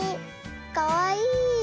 かわいい。